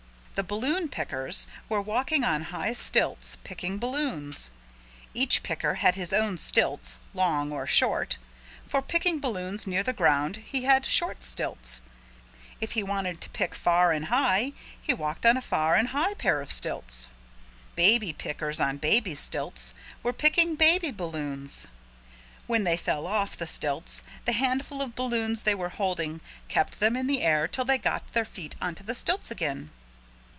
The balloon pickers were walking on high stilts picking balloons. Each picker had his own stilts, long or short. For picking balloons near the ground he had short stilts. If he wanted to pick far and high he walked on a far and high pair of stilts. Baby pickers on baby stilts were picking baby balloons. When they fell off the stilts the handful of balloons they were holding kept them in the air till they got their feet into the stilts again.